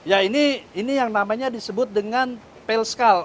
ya ini yang namanya disebut dengan pelskal